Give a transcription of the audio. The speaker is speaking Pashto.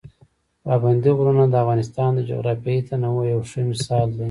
پابندي غرونه د افغانستان د جغرافیوي تنوع یو ښه مثال دی.